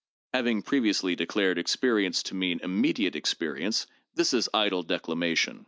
Having previously declared experience to mean immediate experience, this is idle declamation.